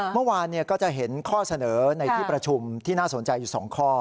เมื่อวานก็จะเห็นข้อเสนอในที่ประชุมที่น่าสนใจอยู่๒ข้อ